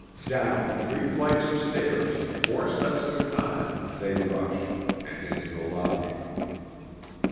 Down three flights of stairs, four steps at a time, they rushed, and into the lobby.